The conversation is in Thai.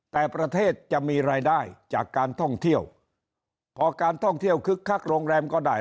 แต่ประเทศจะมีรายได้จากการท่องเที่ยวพอการท่องเที่ยวคึกคักโรงแรมก็ได้